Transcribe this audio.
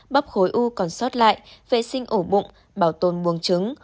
bắp khối u còn sót lại vệ sinh ổ bụng bảo tồn buồng trứng